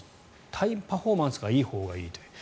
タイムパフォーマンスがいいほうがいいという。